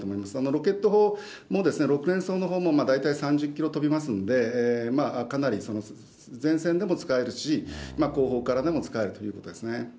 ロケット砲も、６連装のほうも、大体３０キロ飛びますんで、かなり前線でも使えるし、後方からでも使えるということですね。